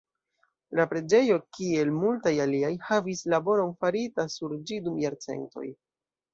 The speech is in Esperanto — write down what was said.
La preĝejo, kiel multaj aliaj, havis laboron farita sur ĝi dum jarcentoj.